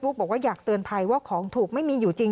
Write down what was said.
บอกว่าอยากเตือนภัยว่าของถูกไม่มีอยู่จริง